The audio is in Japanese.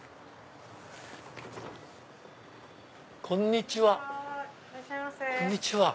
こんにちは。